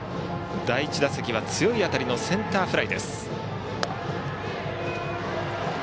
第１打席は強い当たりのセンターフライ。